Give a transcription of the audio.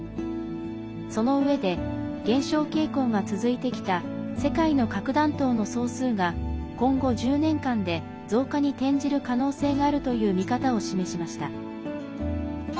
そのうえで減少傾向が続いてきた世界の核弾頭の総数が今後１０年間で増加に転じる可能性があるという見方を示しました。